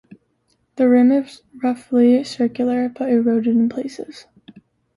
The rim is roughly circular, but eroded in places.